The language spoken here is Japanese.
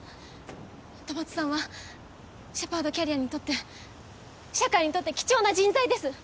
戸松さんはシェパードキャリアにとって社会にとって貴重な人材です。